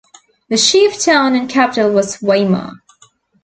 The chief town and capital was Weimar.